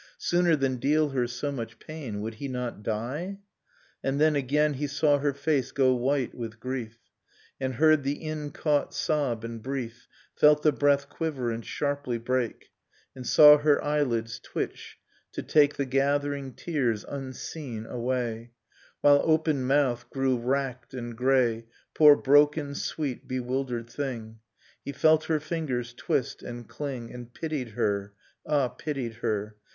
. Sooner than deal her so much pain, — Would he not die? And then again He saw her face go white with grief, And heard the incaught sob, and brief, Felt the breath quiver and sharply break, And saw^ her eyelids twitch, to take Dust in Starlight The gathering tears, unseen, away; While opened mouth grew racked and grey Poor broken, sweet, bewildered thing! He felt her fingers twist and cling: And pitied her, — ah, pitied her!